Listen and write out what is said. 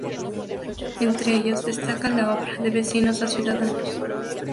Entre ellos destaca la obra “De vecinos a ciudadanos.